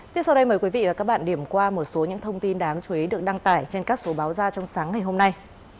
tiếp sau đây mời quý vị và các bạn điểm qua một số những thông tin đáng chú ý được đăng tải trên các số báo ra trong sáng ngày hôm nay